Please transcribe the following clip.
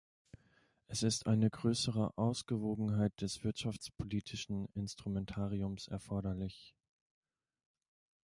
Es ist eine größere Ausgewogenheit des wirtschaftspolitischen Instrumentariums erforderlich.